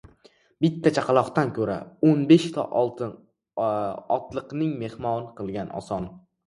• Bitta chaqaloqlidan ko‘ra, o‘n beshta otliqni mehmon qilgan oson.